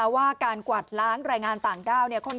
ว่าการกวาดล้างแรงงานต่างด้าวค่อนข้างเข้มงวด